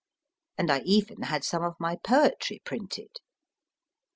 And I even had some of my poetry printed.